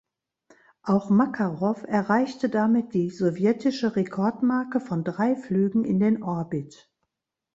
Auch Makarow erreichte damit die sowjetische Rekordmarke von drei Flügen in den Orbit.